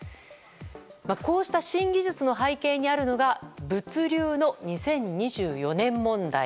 こうした新技術の背景にあるのが物流の２０２４年問題。